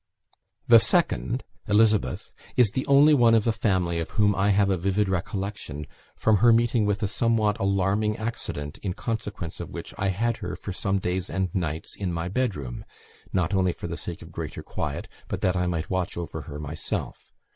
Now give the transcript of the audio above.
"The second, Elizabeth, is the only one of the family of whom I have a vivid recollection, from her meeting with a somewhat alarming accident, in consequence of which I had her for some days and nights in my bedroom, not only for the sake of greater quiet, but that I might watch over her myself.